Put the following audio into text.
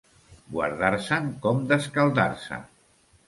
Guardar-se'n com d'escaldar-se.